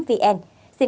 xin cảm ơn